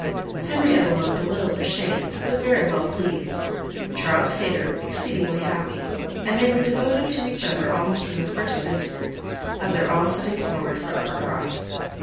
Henrietta looked a little ashamed, but very well pleased;—Charles Hayter exceedingly happy: and they were devoted to each other almost from the first instant of their all setting forward for Uppercross.